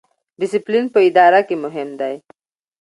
ډیسپلین په اداره کې مهم دی